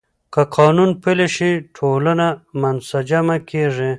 که قانون پلی شي، ټولنه منسجمه کېږي.